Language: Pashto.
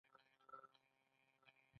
د غلامانو په ځواک پلونه او لارې جوړیدل.